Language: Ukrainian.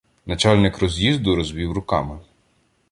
Начальник роз'їзду розвів руками.